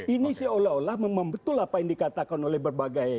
ini seolah olah membetul apa yang dikatakan oleh berbagai